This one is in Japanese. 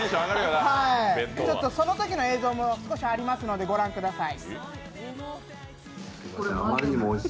そのときの映像も少しありますのでご覧ください。